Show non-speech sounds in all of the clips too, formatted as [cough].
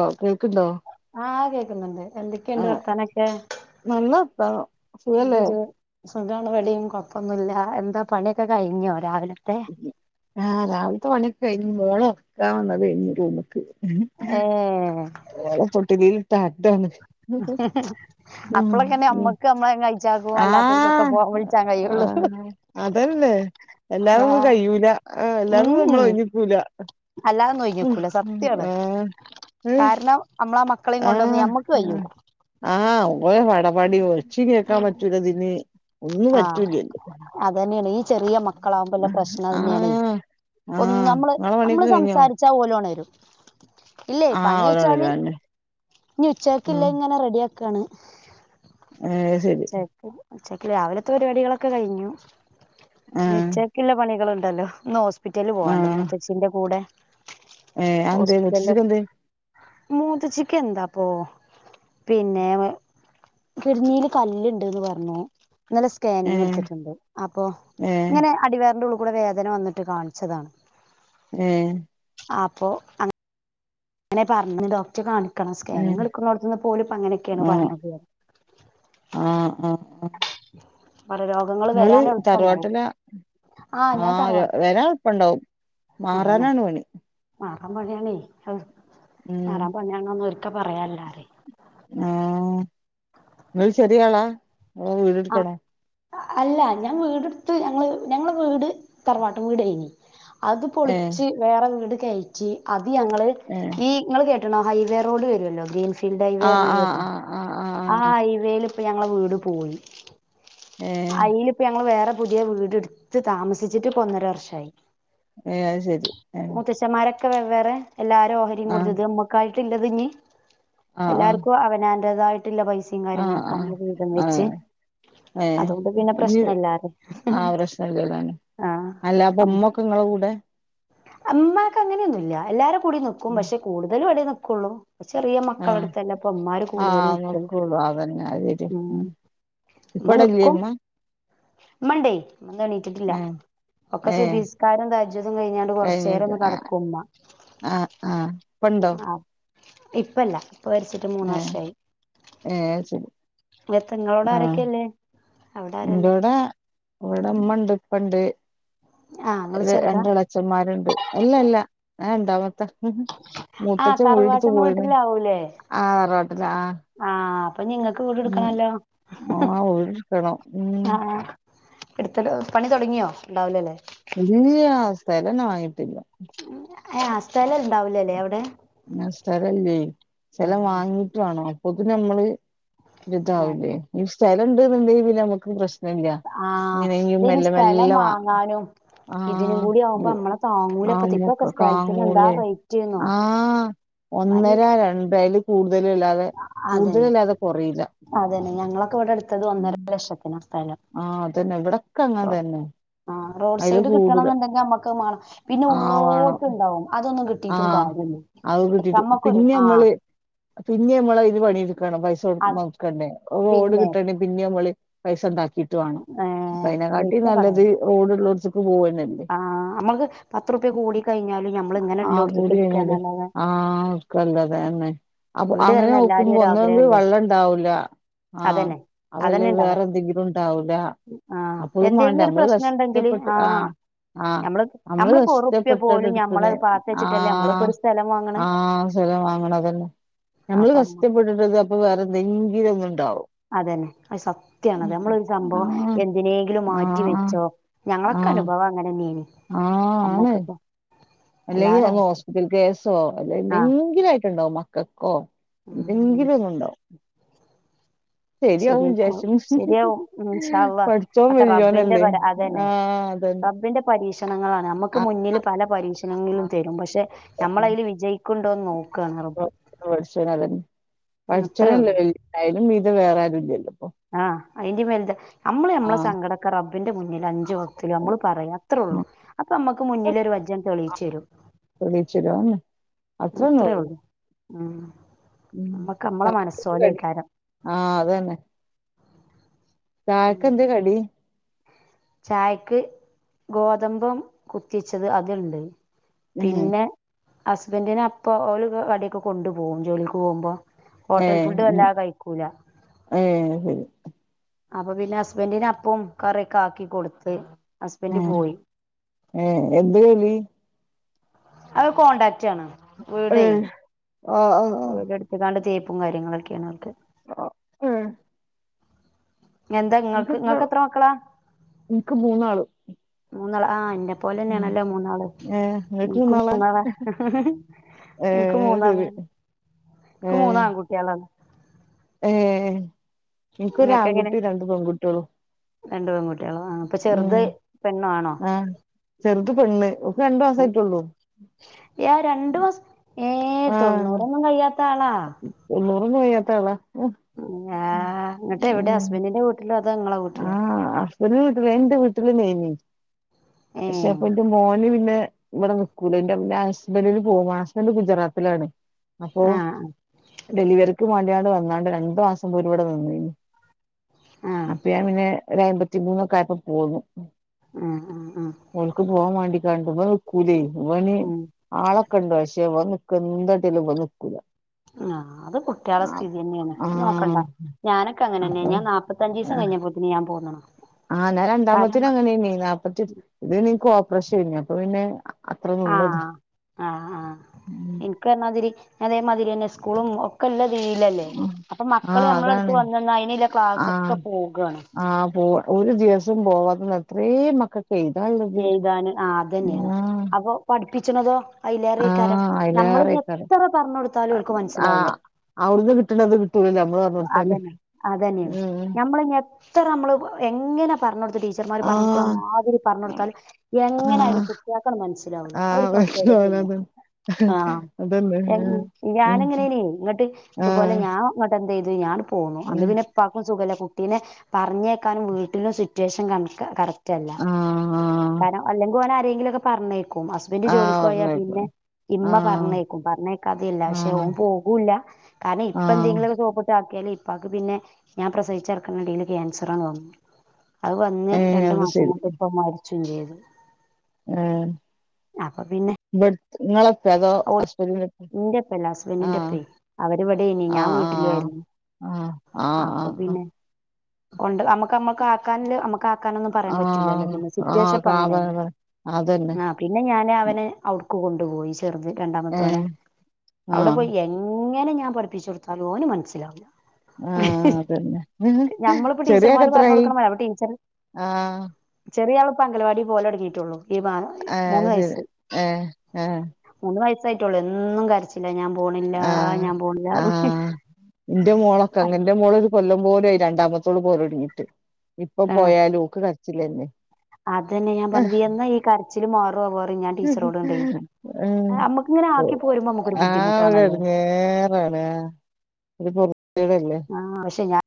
ഹൊ കേൾക്ക്ണ്ടോ ആഹ് കേക്കുന്നുണ്ട് എന്തൊക്കെയുണ്ട് ആഹ് വർത്താനൊക്കെ നല്ല വർത്താനം എന്ത് സുഖല്ലേ ജെ സുഖാണിവിടെയും കൊഴപ്പൊന്നുല്ല എന്താ പണിയൊക്കെ കഴിഞ്ഞോ രാവിലത്തെ ആഹ് രാവിലത്തെ പണിയൊക്കെ കഴിഞ്ഞ് മോളെ ഒറക്കാ വന്നതെനി റൂമ്ക്ക് ഏഹ് ഓളെ തൊട്ടിലിൽഇട്ട് ആട്ടാണ് അപ്പോളൊക്കെന്നെ അമ്മക്ക് ഉം അപ്പളൊക്കന്നെ ഉം അമ്മക്ക് അമ്മളെ ചെങ്ങായിചെക്കും അല്ലാത്തവർക്കൊക്കെ ഫോൺ വിളി വിളിക്കാൻ കഴിള്ളൂ അതനെ എല്ലാതൊന്നും കഴൂല ആഹ് എല്ലാതെ ഉം നമ്മള് ഒഴിഞ്ഞിക്കൂല അല്ലാതൊന്നും ഒഴിഞ്ഞിക്കൂല സത്യാണ് ആഹ് ഏഹ് കാരണം അമ്മളാ മക്ക മക്കളെ കൊണ്ടൊന്നും ആഹ് നമ്മുക്ക് ആഹ് കയൂല്ല ആഹ് ഓരെപടപടെ ഒച്ചെയും കേൾക്കാൻ പറ്റൂലതിന് ആഹ് അതന്നെയാണ് ഈ ചെറിയ മ ക്കളാവുമ്പോള്ള പ്രശ്നം അത് തന്നെയാണേ ആഹ് ഒന്ന് ആഹ് നമ്മള് ഇങ്ങളെ പണിയൊക്കെ നമ്മള് കഴിഞ്ഞോ സംസാരിച്ചാ ഓലൊണരും ഇല്ലേ ആഹ് പണി ഓലെ കഴിച്ചാല് കൊണ്ടരാന് ഇനി ഉം ഉച്ചക്കില്ലേ ഇങ്ങനെ റെഡി ആക്കാണ് ഏഹ് ശരി ഉച്ചക്ക് ഉച്ചക്ക് രാവിലത്തെ പരിപാടികളൊക്കെ കഴിഞ്ഞു ആഹ് ഉച്ചക്കുള്ള പണികളുണ്ടല്ലോ ഇന്ന് ഹോസ്പിറ്റലിൽ പോവാണ്ട് ആഹ് മൂത്തേച്ചിന്റെ കൂടെ ഏഹ് അതെന്തേ ഹോസ്പിറ്റലിലും മുത്തശ്ശിക്കെന്തേ മൂത്തേച്ചിക്കെന്താപ്പോ പിന്നെ കിഡ്‌നീല് കല്ലുണ്ട് ന്ന് പറഞ്ഞു ഇന്നലെ സ്കാനിങ് ഏഹ് എടുത്തിട്ടുണ്ട് അപ്പോ ഏഹ് ഇങ്ങനെ അടിവയറിന്റുള്ളു കൂടെ വേദന വന്നിട്ട് കാണിച്ചതാണ് ഏഹ് ആപ്പൊ അഹ് ങ്ങനെ പറഞ്ഞന്ന് ഡോക്ടറെ കാണിക്കണം സ്കാനിങ് ഏഹ് എടുക്കണോടത്തുന്ന് ഇപ്പ ഓലിപ്പോ അങ്ങനെയൊക്കെയാണ് ആഹ് പറഞ്ഞത് ആഹ് ആഹ് പല രോ നിങ്ങള് തറവാട്ടിലാ ആഹ് ഞാൻ ആര് തറവാട് വരാ ഇപ്പ ണ്ടാവും അതന്നെ മാറാനാണ് പണി മാറാൻ പണിയാണേ ഉം മാറാൻ പണിയാണെന്ന് ഒര്ക്കെ പറയല്ലാറേയും ആഹ് നിങ്ങൾ ചെറിയാളാ ഓ ആ വീടെടുക്കണം അല്ല ഞാൻ വീടെടുത്ത് ഞങ്ങള് ഞങ്ങള് വീട് തറവാട്ട് വീടായിനി അത് ഏഹ് പൊളിച്ച് വേറെ വീട് കയറ്റി അത് ഞങ്ങള് ഏഹ് ഈ നിങ്ങള് കേട്ടണോ ഹൈവേ റോഡ് വരുവല്ലോ ഗ്രീൻഫീൽഡ് ഹൈവേ ആഹ് പറഞ്ഞാ ആഹ് കേക്കണു ആഹ് ആഹ് ആഹ് ഹൈവേല് ഇപ്പൊ ഞങ്ങളെ വീട് പോയി ഏഹ് അയിലിപ്പൊ ഞങ്ങള് വേറെ പുതിയ വീട് ഇടുത്ത് താമസിച്ചിട്ട് ഇപ്പൊ ഒന്നര വർഷായി ഏഹ് അയ് ശരി എ പുരുഷന്മാരൊക്കെ വെവ്വേറെ എല്ലാരെ ഓഹരിയും ആഹ് കൊടുത്തിത് നമ്മുക്കായിട്ട് ഇല്ലതിഞ്ഞി ആഹ് ആഹ് എല്ലാർക്കും അവനാന്റേതായിട്ടുള്ള പൈസയും ആഹ് കാര്യങ്ങളൊക്കെ ആഹ് നമ്മള് വീതം ആഹ് വെച്ച് ഏഹ് അതുകൊണ്ട് പിന്നെ ഇയ്യ് പ്രശ്നല്ലാറിയ ആഹ് പ്രശ്നല്ലേതാനും അല്ലാപ്പൊ ഉമ്മൊക്കെ ങ്ങളെ കൂടെ അ മ്മാക്ക് അങ്ങനെയൊന്നുല്ല എല്ലാരെ കൂടി നിക്കും പക്ഷെ കൂടുതലും ഇവിടെേ നിക്കുള്ളൂ ചെറിയ ആഹ് മക്കളടുത്തല്ലേപ്പൊ മ്മാര് കൂടുതല് ആഹ് നിക്കൂ നോക്കുള്ളൂ അതന്നെ അത് ശരിയാ ഉം ഉമ്മ ഇപ്പടല്ലേ നിക്കും ഇമ്മ ഇമ്മാണ്ടേ ഉമ്മതെണി റ്റിട്ടില്ല ഏഹ് ഒക്കെ ഏഹ് സുബ്ഹിസ്കാരം തഹജ്ജുദും കഴിഞ്ഞാണ്ട് കൊറച്ചേരൊന്ന് കടക്കും ഉമ്മ ആ ആ ആ ഇപ്പല്ല ഇപ്പ മരിച്ചിട്ട് മൂന്ന് ഏഹ് വർഷായി ഏഹ് ശെ എത്ത ങ്ങളോടെ ആരൊക്കെല്ലേ? അവിടെ ആരല്ലേ ഇന്റൂടെ ഇവിടെ ഉമ്മണ്ട് ഇപ്പണ്ട് ആഹ് ഇങ്ങള് ചെറുതാ രണ്ട് എളേ ച്ചമ്മാരുണ്ട് എല്ലല്ല ഞാൻ രണ്ടാമത്ത ആഹ് മൂത്തച്ഛൻ വീടെടുത്ത് തറവാട്ടൻ പോയിന്ന് വീട്ടിലാവൂലേ ആഹ് തറവാട്ടിലാ ആഹ് ആഹ് അപ്പൊ ഞ്ഞി ങ്ങക്ക് ഉം വീടെടുക്കണല്ലോ? ആഹ് വീടെടുക്കണം ഉം ആഹ് ഇടുത്തലോ പണി തൊടങ്ങിയോ? ഉണ്ടാവൂലല്ലേ ഇല്ല്യ സ്ഥലന്നെ വാങ്ങീട്ടില്ല ഏ ആഹ് സ്ഥലണ്ടാവൂലല്ലേ അവടെ? ഉം സ്ഥലല്ല്യേ സ്ഥലം വാങ്ങീട്ട് വാണം അപ്പൊത്തിന് നമ്മള് ഒരു അതെ ഇതാവില്ലേ ഈ സ്ഥലണ്ടുന്നുണ്ടങ്കി പിന്നെ നമുക്ക് പ്രശ് നല്ല്യ ആഹ് ഇങ്ങനെങ്കിലും ഇതിന് മെല്ല സ്ഥലം മെല്ലെ വാ വാങ്ങാനും ഇതിനും ആഹ് കൂടി ആവുമ്പോ ഉ നമ്മളെ ആ താങ്ങൂലപ്പത്തെ ഇപ്പൊക്കെ മ്മുക്ക് സ്ഥലത്തിന് എന്താ കാങ്ങൂലേ? റേറ്റ്ന്നോ ആഹ് ഭയ ഒന്നര രണ്ട് അയില് കൂടുതലല്ലാതെ അതന്നെ കൂടുതലല്ലാതെ കൊറയില്ല അതന്നെ ഞങ്ങളൊക്കെ ഇവിടെ എടുത്തത് ഒന്നര ലക്ഷത്തിനാ സ്ഥലം ആഹ അതന്നെ ഇവിടൊക്കെ അങ്ങൻതന്നെ ആ റോഡ് സൈഡ് കിട്ടണം ന്നുണ്ടെങ്കി നമ്മക്ക് മാണം പിന്നെ ആഹ് വേണം ഉള്ളോട്ട് ണ്ടാവും അതൊന്നും കിട് ആഹ് അഹ് കിട്ടീട്ട് പിന്നെ ആഹ് മ്മള് പിന്നീ നമ്മള് അയിന് പണിട്ക്കണം പൈസ അത് കൊടുക്കുമ്പോ നോക്കണ്ടേ റോഡ് പിന്നെ കിട്ട പിന്നീ നമ്മള് പൈസ ണ്ടാക്കിട്ട് വാണം അപ്പ ഏഹ് അയ് നെക്കാട്ടി ഒരിക്ക പറയാ നല്ലത് റോഡ്ള്ളോടത്തേക്ക് പോവന്നല്ലേ ആഹ് അമ്മള്ക്ക് പത്ത്റുപ്യ കൂടി കയ്ഞ്ഞാലും ഞമ് ആഹ് കൂടി കഴിഞ്ഞാല് ആഹ ക്കല്ലതേന്നെ അപ്പൊ വീട് വരണ അങ്ങനെ എല്ലാരും നോക്കുമ്പോ ഒരു ഒന്നേങ്കി ആഗ്രഹല്ലേ വെള്ളം ണ്ടാവൂല അതന്നെ അതല്ലേ അതന്നെ ഉണ്ടാവുക വേറെ എന്തെങ്കിലും ഉണ്ടാവൂല്ല ആ അപ്പളും വേണ്ട എന്തെങ്കിലും ഒരു നമ്മള് പ്രശ്നം ഉണ്ടെങ്കില് കഷ്ടപ്പെട്ട് ആ ആഹ് ആ നമ്മള് നമ്മളിപ്പോ ഒറുപ്യ കഷ്ടപ്പെട്ടാണ്ട് പോലും ഇഹ് ടുക്കണെ ഞമ്മളത് പാത്ത് വെച്ചിട്ടല്ലേ നമ്മളിപ്പോ ആഹ് ഒരു സ്ഥലം വാങ്ങണേ ആഹ് സ്ഥലം വാങ്ങണതും നമ്മള് അപ്പൊ അമ്മ കഷ്ടപ്പെട്ടിട്ടത് അപ്പൊ വേറെ എന്തെങ്കിലും ഒന്ന് ഉണ്ടാവും അതന്നെ അഹ് സത്യാണത് നമ്മളൊരു സംഭവം ആഹ് എന്തിനേങ്കിലും മാറ്റി ആഹ് വെച്ചോ ആഹ് ഞങ്ങക്കനുഭവം അങ്ങനെന്നീന് അമ്മക്കിപ്പൊ അല്ലെങ്കി ഒന്ന് ഹോസ്പിറ്റൽ കേസോ അല്ലെ ആ എന്തെങ്കിലു ആയിട്ടുണ്ടാവും മക് കക്കോ ഉം എന്തെങ്കിലു ഒന്നുണ്ടാവും ശരിയാവും ശരിയായ്ക്കോളും വിചാരിച്ചും ശരിയാവും ഇന്ഷാ അള്ളാ പടച്ചോൻ ഒക്കെ റബ്ബിന്റെ വല്യോനല്ലേ പര അത് തന്നെ ആഹ് അതന്നെ റബ്ബിന്റെ പരീക്ഷണങ്ങളാണ് നമുക്ക് മുന്നിൽ പല പരീക്ഷണങ്ങളിലും തരും പക്ഷെ നമ്മള് അതില് വിജയി ക്കുന്നുണ്ടോന്ന് നോക്കും പടച്ചോൻ അതന്നെ പടച്ചോൻ അത്രേ അല്ലേ ഉള്ളൂ വലുത് അയിലും മീതെ വേറെ ആരും ഇല്ലല്ലോ ഇപ്പൊ ആഹ് അയിന്റെ വല്ത് നമ്മള് നമ്മളെ ആഹ് സങ്കടക്കെ റബ്ബിന്റെ മുന്നിൽ അഞ്ചു വക്തില് നമ്മള് പറയാ അത്രയുള്ളു അപ്പൊ അമ്മുക്ക് മുന്നിലൊരു വജ്ജ അങ്ങ് തെളിയിച്ചു തരും തെളിയിച്ചു തരുവെന്ന് അത്രയുള്ളു അത്രേ ഉള്ളൂ ഉം നമ്മക്ക് നമ്മളെ ആഹ് [unintelligible] മനസ്സോലെയ്ക്കാരം അത് തന്നെ ചായക്ക് എന്ത് കടി ചായക്ക് ഗോതമ്പും കുത്തിച്ചത് അത് യുണ്ട് ഏഹ് പിന്നെ- ഹസ്ബൻഡിനെ അപ്പോ ഓൽ ദ് കടി ഒക്കെ കൊണ്ടു പോവും ജോലിക്ക് പോകുമ്പോ ഹോട്ടൽ ഏയ് ഫുഡ് വല്ലാതെ കഴിക്കൂല ഏയ് ശരി അപ്പൊ പിന്നെ ഹുസ്ബൻടിന് അപ്പോം കറിയൊക്കെ ആക്കി കൊടുത്ത്- ഹസ്ബൻഡ് ഏയ് പോയി ഏ എന്താ ജോലി അത് കോൺടാക്ട്ടാണ് വീടെ ഏഹ് ആഹ് ആഹ് വീട് - ഏതാണ്ട്‌ തേപ്പും കാര്യങ്ങളൊക്കെയാണ് അവർക്ക് ആഹ് ആഹ് ഏഹ് ഇനി എന്താ നിങ്ങക്ക് നിനക്കെത്ര നിങ്ങൾക്ക് എത്ര മക്കളാ ഇൻക്ക് മൂന്നാള് മൂന്നാള് ആ എന്റെ ഉം പ്പോലെന്നെയാണല്ലോ മൂന്നാള് ഏഹ് ഇങ്ങക്ക് എനിക്ക് മൂ [unintelligible] മൂന്നാളാ ന്നാളാ എനിക്ക് മൂന്നാളാണ് എനിക്ക് ഉം [unintelligible] ഏയ് എനിക്കോരു നിങ്ങൾക്ക് എങ്ങനെ ആൺകുട്ടി രണ്ട് പെൺകുട്ട്യോളും രണ്ട് പെൺകുട്ട്യോളോ ആ അപ്പൊ ചെറുത് പെണ്ണോ ആണോ ആഹ് ചെറുത് പെണ്ണ് ഓക്ക് രണ്ടു മാസം ആയിട്ടുള്ളൂ ഏ രണ്ടു മാസ് ഏയ് ആഹ് തൊണ്ണൂറൊന്നും കഴിയാത്ത ആളാ തൊണ്ണൂറൊന്നും കഴിയാത്ത ആളാ ആ എന്നിട്ട് എവിടെ ഉം ഹസ്ബൻഡിന്റെ വീട്ടിലോ അതോ നിങ്ങളെ വീട്ടിലോ ആഹ് വീട്ടില് ഞാ ന് [unintelligible] ടെ വീട്ടിലെ [unintelligible] ന്നേർന്ന് പക്ഷെ ഏഹ് ഇപ്പൊ എന്റെ മോൻ- ഇവര് പിന്നെ ഇവിടെ നിക്കൂല എന്റെ ഹസ്ബന്ഡില് പോകും ഹസ്ബന്റ് ഗുജറാത്തിലാണ് അപ്പൊ ആഹ് ഡെലിവറിക്ക് വേണ്ടിയാണ്ട് വന്നാണ്ട് രണ്ടു മാസം പോലും ഇവിടെ നിന്നീന്ന് ആഹ് അപ്പൊ ഞാൻ പിന്നെ ഒരു അയ്മ്പത്തിമൂന്നൊക്കെ ആയപ്പോ പോന്നു ആഹ് ആഹ് ആഹ് ഓൽക്ക് പോകാൻ വേണ്ടിങ്ങാണ്ട് ഇവിടെ നികൂലയ് ഇവന്- ഉം ആളൊക്കെയിണ്ട് പക്ഷെ ഇബന്ക്ക്‌എന്താ കിട്ടിയാലും ട ഇവൻ നിക്കൂല. ആ അത് കുട്ടികളെ സ്ഥിതി തന്നെയാണ് ആഹ് നോക്കണ്ടാ ഞാനൊക്കെ അങ്ങനെ തന്നെയാ അപ്പൊ ഞാൻ- മുപ്പത്തിയഞ്ചു ദിവസം കഴിഞ്ഞപ്പോ തന്നെ ഞാൻ പോന്നക്ക്ണ്. ആ എന്നാ രണ്ടാമത്തിന് അങ്ങനെ തന്നെ നീ നാല്പ്പ ഇത്പിന്നെ ഇക്ക് ഓപ്പറേഷന്നു അപ്പൊ പിന്നെ- അത്ര നിന്നത് ആഹ് ഒക്കെ അതെ മാതിരി അതേമാതിരി തന്നെ സ്കൂളും- ഒക്കെ നല്ല വെയിലല്ലേ അപ്പൊ മക്കള് ആഹ് നമ്മളടുത്ത് അതാണ് വന്ന് അങ്ങ് അയിന് ക്ലാസ് ഒക്കെ ആഹ് പോകാണ്. ആഹ് പോവാ ഒരു ദിവസം പോവാത്ത എത്രയും മക്കക്ക്‌ എഴുതാൻ ഉള്ളത് എഴുതാന് ആ അത് തന്നെയാണ് അപ്പൊ പഠിപ്പിച്ചണതോ. അയിലേറെക്കാരം ആഹ് ഞമ്മളിനി അയിലേറെയ്ക്കാരം എത്ര പറഞ്ഞ് കൊടുത്താലും അവർക്ക് മനസ്സിലാവൂല. ആഹ് അവിടുന്ന് കിട്ടണത് കിട്ടൂലല്ലോ നമ്മള് പറഞ്ഞൊടുത്താല് അതന്നെ അതന്നേണ്. ഉം ഞമ്മള്ഞ്ഞ് എത്ര നമ്മള് എങ്ങനെ പറഞ്ഞോടുത്ത് ടീച്ചർമാര് പറഞ്ഞൊടുക്കണ ആഹ് മാതിരി പറഞ്ഞൊട് ത്താലും എങ്ങനെ ആയാലും ആഹ് കുട്ടിയാക്കങ്ങട് മനസ്സിലാവൂല്ല. അത് ആഹ് ഒരു പ്രത്യേകതന്നേണ്. മനസ്സിലാവൂലത് ആഹ്. അതന്നെ എൻ ആഹ് ഉം ഞാനങ്ങനേണേ. ഇങ്ങട്ട് ഇതുപോലെ ആഹ് ഞാൻ ഇങ്ങോട്ടന്തേയ്ത് ഞാൻ ഇങ്ങട് പോന്നു. അന്ന് ആഹ് പിന്നെ. ഉപ്പാക്കും സുഖല്ല. കുട്ടീനെ പറഞ്ഞേക്കാനും വീട്ടിലും സിറ്റുവേഷൻ കണക്കാ. കറ. ഉം കാരണം അല്ലെങ്കി ഓനെ ആരെങ്കിലൊക്കെ പറഞ്ഞേക്കും. ഹസ് ബന്റ് ജോലിക്ക് ആഹ് പോയാ പറഞ്ഞേക്കും പിന്നെ ഇമ്മ ആഹ് പറഞ്ഞേക്കും. പറഞ്ഞേക്കാത്തേയല്ല. പക്ഷേ ആഹ് ഓൻ പോകൂല്ല. കാരണം ഇപ്പ ആഹ് എന്തെങ്കിലൊക്ക സോപ്പ്ട്ട് ആക്കിയാലേ. ഇപ്പാക്ക് പിന്നെ ഞാൻ പ്രസവിച്ചടക്കണടേല് ക്യാൻസറങ്ങ് വന്നു. അത് വന്ന് ഏഹ് രണ്ടു അത് മാസം ശരി കൊണ്ട് പ്പ മരിച്ചും ചെയ്തു. ആഹ് അപ്പൊ പിന്നെ ഇവിട്ത് ഇങ്ങള. അതോ ഓല് [unintelligible] ഇന്റെപ്പല്ല ആഹ് ഹസ്ബൻഡിന്റെപ്പേ അവരിവിടേനി ആഹ് ഞാൻ ആഹ് വീട്ടിലുവായിരുന്നു ആഹ് അപ്പൊ ആഹ് ആഹ് പിന്നെ കൊണ്ട് അമ്മക്ക് അമ്മക്ക് ആക്കാൻല്ല് അമ്മ ക്കാക്കാനൊന്നും പറയാൻ പറ്റൂല്ലല്ലോ. ആഹ് പിന്നെ ആഹ് സിറ്റേഷൻപ്പ അങ്ങനെയല്ലേ. കാബാബ അതന്നെ ആഹ്. പിന്നെ ഞാന് അവനെ അവിടുക്ക് കൊണ്ടുപോയി. ചെർത് രണ്ടാമത്തോനെ. ഏഹ് അവടെ ആഹ് പോയി എങ്ങ് എങ്ങനെ ഞാൻ പഠിപ്പിച്ചൊടുത്താലും ഓന് മനസ്സിലാവൂല്ല. ആഹ് അതന്നെ ഞമ്മളിപ്പോ ചെറിയാക്ക് ടീച്ചർമാര് പറഞ്ഞു എത്രായി കൊടുക്കണ മാരാ. അപ്പോ ടീച്ചറ് ആഹ് ചെറിയ ആള് പ്പ അംഗവാടി പോകലൊടങ്ങീട്ടേള്ളു. ആഹ് ശരി ആഹ് ആഹ്. മൂന്ന് വയസായിട്ടൊള്ളൂ. എന്നും കരച്ചിലാ. ഞാൻ പോണില്ല ഞാൻ പോണില്ലാറഞ്ഞ് ന്റെ മോളൊക്കെ. അങ്ങന ന്റെ മോളൊരു കൊല്ലം പോലേയി. രണ്ടാമത്തോള് പോകലൊടങ്ങീട്ട്. ഇപ്പ ആഹ് പോയാലും ഓക്ക് കരച്ചിലന്നെ. അതന്നെ ഞാൻ പറഞ്ഞത്. എന്നാ ഈ കരച്ചില് മാ പ്പ പറയും ഞാൻ ടീച്ചറോട്ങ്ങടെ. ഏഹ് ആഹ് നമ്മുക് ഇങ്ങനെ ആക്കി പോരുമ്പോ നമുക്കൊരു ബുദ്ധിമുട്ടാണല്ലോ. വേറെ എവടെയാ? ഇത് പൊറത്തേടല്ലേ. ആഹ് പക്ഷേ ഞാന്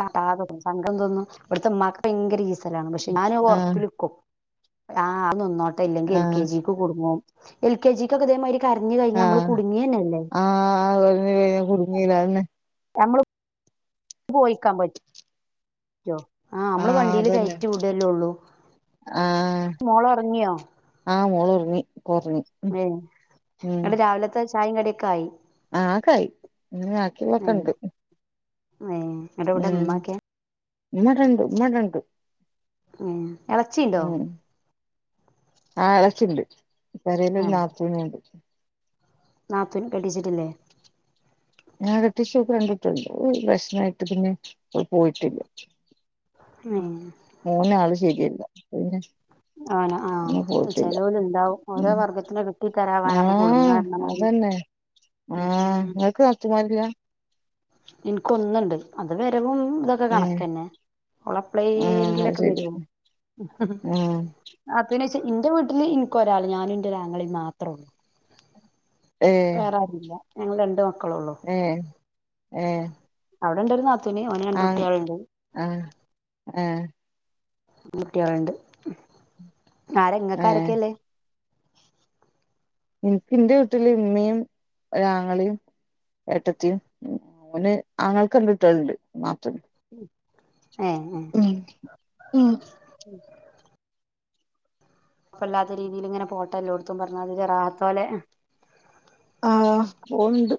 കാട്ടാതെ പൂവും. സംഘം ഇതൊന്നും ഇവിടുത്ത ഉമ്മാക്ക് ഭയങ്കര ഈസലാണ്. പക്ഷേ ഞാന് ആഹ് ഒറപ്പില്ക്കും. ആഹ് അത് നിന്നോട്ടേ ഇല്ലെങ്കിൽ എൽ കെ ആഹ് ജി. ക്ക് കുടുങ്ങും. എൽ കെ ജി ക്കൊക്കെ ഇതേ മാതിരി ആഹ്. ആഹ് [unintelligible] ഞമ്മള് പോയിക്കാൻ പ റ്റോ? ആഹ് അമ്മള് വണ്ടീല് കയറ്റി വിടല്ലേ ഉള്ളൂ. ആഹ് മോളോറങ്ങിയോ? ആഹ്. മോളൊറങ്ങി ഏയ് ഇങ്ങടെ രാവിലത്തെ ചായേം കടിയൊക്കെ ആയി അഹ് അതൊക്കായി. ഇങ്ങനെ ആക്കിതൊക്കണ്ട് ആഹ് ഏഹ് ഇങ്ങട്ട് ഇവിടെ ഉം ഉമ്മാക്കെ ഉമ്മവടെണ്ട്. ഉമ്മവടേണ്ട്. ആഹ് ഉം ആഹ് അതൊക്കെണ്ട്. പെരേല് ഒര് നാത്തൂന്ണ്ട് നാത്തൂൻ കെട്ടിച്ചിട്ടില്ലേ? [unintelligible] ഷൂട്ട് കണ്ടിട്ടുണ്ട് പ്രശ്നായിട്ട് പിന്നെ അവൾ പോയിട്ടില്ല ഉം ഓൻ ആള് ശെരിയല്ല പിന്നെ ആണോ അങ്ങനെ അഹ് പോയിട്ടില്ല ചെലോല് ഇണ്ടാവും ഓരോ ഉം വർഗത്തിനെ കിട്ടി തരവാനാണ് കൂടുങ്ങ ആഹ് അതന്നെ അഹ് നിങ്ങക്ക് നാത്തൂന്മാരില്ല ഇൻക്കൊന്നുണ്ട് അത് വരവും ഇത തൊക്കെ ഉം കണക്കന്നെ ആഹ് അത് ഉളപ്പ്ളങ്കിലൊക്കെ ശരി വരു ആഹ് അതിന്ശോ ന്റെ വീട്ടില് ഇൻക്ക് ഒരാൾ ഞാനും എന്റെ ഒരാങ്ങളെ മാത്രേ ഉള്ളൂ ഏഹ് വേറെ ആരുല്ല ഞങ്ങൾ രണ്ട് മക്കള ഉള്ളു ഏ ഏ അവിടെ ഉണ്ടായിരുന്ന നത്തുന് ഓന് രണ്ട് കുട്ടികളുണ്ട് അഹ് ഏ കുട്ടിളുണ്ട് ആരെ ഏഹ് ഇങ്ങക്കാരൊക്കെല്ലേ എനിക്ക് എന്റെ വീട്ടില് ഇമ്മയും ഒരാങ്ങളെയും ഏട്ടത്തിയും ഓൻ ആങ്ങൾ രണ്ട് കുട്ടികളുണ്ട് [unintelligible] ഏഹ് ഉം പ്പല്ലാത്ത രീതിയിലിങ്ങനെ പോട്ടല്ലോടുത്തും പറഞ്ഞമാതിരി റാഹത്തോലേ ആഹ് പോവ്ണ്ട്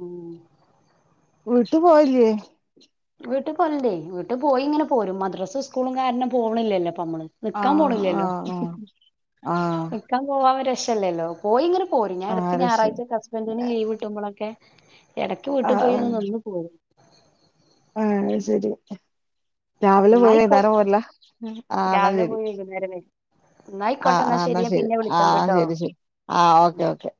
ഉം വീട്ടു പോയില്ലേ വീട്ടിപോവലണ്ട് വീട്ടിൽ പോയി ഇങ്ങനെ പോരും മദ്രസും സ്കൂളും കാരണം പോവണില്ലല്ലോപ്പ നമ്മള് നിക്കാൻ ആഹ് പോണില്ലല്ലോ ആഹ് ആഹ് ആഹ് നിക്കാൻ പോവാൻ രക്ഷല്ലല്ലോ പോയി ഇങ്ങനെ പോരും ഞാ ആഹ് ഇടക്ക് അത് ശരി ഞായറാഴ്ച ഹസ്ബൻറിന് ലീവ് കിട്ടുട്ടുമ്പോളേക്കെ എടയ്ക്ക് വീട്ടു ആഹ് പോയി ഒന്ന് ആഹ് നിന്നും പോവും ആഹ് അത് ശരി രാവിലെ ഇന്നാ പോയാൽ അയ്ക്കോട്ടെ വൈന്നേരം പോരലാ ആ എന്ന രാവിലെ ശരി പോയി വൈകുന്നേരം വരും എന്നായിക്കോട്ടെ അഹ് ആ എന്നാ ഞാൻ ശരി പിന്നെ വിളിക്കണ്ട് അഹ് ട്ടോ ശരി ശരി ആഹ് ഓക്കെ ഓക്കെ